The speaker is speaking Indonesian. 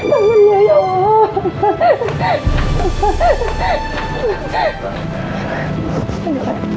kamu baik baik saja ya pak